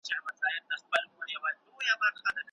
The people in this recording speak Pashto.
هغه به تر سبا څېړنه بشپړه کړې وي.